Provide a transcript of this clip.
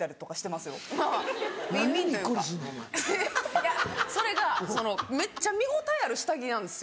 いやそれがそのめっちゃ見応えある下着なんですよ。